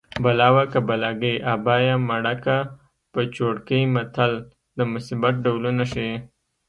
بلا وه که بلاګۍ ابا یې مړکه په چوړکۍ متل د مصیبت ډولونه ښيي